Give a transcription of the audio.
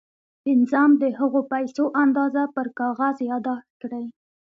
پنځم د هغو پيسو اندازه پر کاغذ ياداښت کړئ.